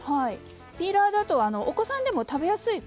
ピーラーだとお子さんでも食べやすい。